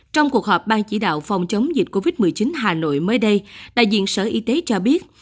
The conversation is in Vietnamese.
trong cuộc họp ban chỉ đạo phòng chống dịch covid một mươi chín hà nội mới đây đại diện sở y tế cho biết